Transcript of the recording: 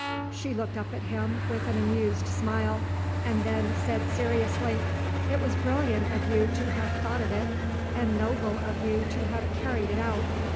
She looked up at him with an amused smile, and then said seriously: "It was brilliant of you to have thought of it, and noble of you to have carried it out.